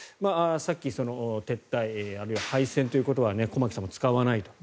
さっき撤退あるいは敗戦という言葉は駒木さんも使わないと。